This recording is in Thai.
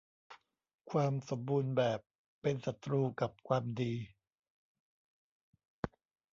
ความสมบูรณ์แบบเป็นศัตรูกับความดี